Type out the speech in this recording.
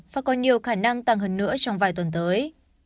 và còn nhiều khả năng tăng hơn nữa trong vài tuần tới